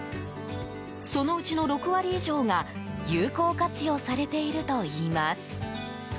そのうちの６割以上が有効活用されているといいます。